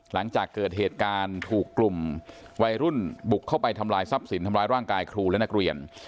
หลังจากเกิดเหตุการณ์ถูกกลุ่มวัยรุ่นบุกเข้าไปทำลายทรัพย์สินทำร้ายร่างกายครูและนักเรียน